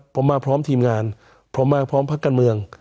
ผมมาพร้อมทีมงานผมมาพร้อมพักการเมือง